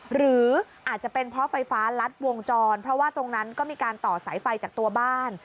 หรืออาจจะเป็นเพราะไฟฟ้ารัดวงจรเพราะว่าตรงนั้นก็มีการต่อสายไฟจากตัวบ้าน